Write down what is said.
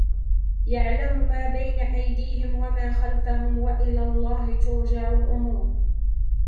يعلم ما بين أيديهم وما خلفهم وإلى الله ترجع الأمور